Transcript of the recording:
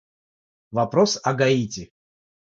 Вопрос о Гаити.